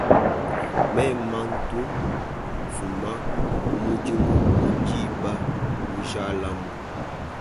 Mema ntu nfuma kumudimu mu diba mujalamu.